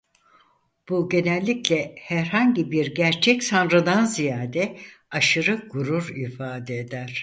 Bu genellikle herhangi bir gerçek sanrıdan ziyade aşırı gurur ifade eder.